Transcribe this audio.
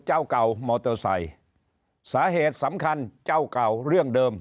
เจ้าเก่ามอเตอร์ไซค์สาเหตุสำคัญเจ้าเก่าเรื่องเดิม